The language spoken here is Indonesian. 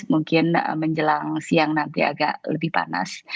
mungkin menjelang siang nanti agak lebih panas